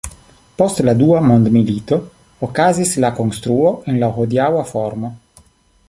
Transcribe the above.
Post la Dua Mondmilito okazis la konstruo en la hodiaŭa formo.